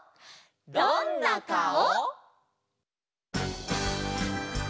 「どんなかお」！